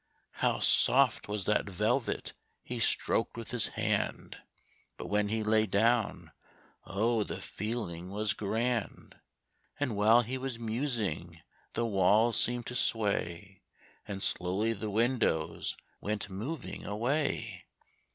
How soft was that velvet he stroked with his hand! But when he lay down, oh, the feeling was grand! And while he was musing the walls seemed to sway, And slowly the windows went moving away.